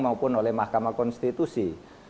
maupun oleh mahkamah konstitusi